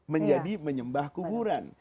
menjadi menyembah kuburan